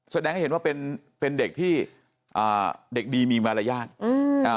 แสดงให้เห็นว่าเป็นเป็นเด็กที่อ่าเด็กดีมีมารยาทอืมอ่า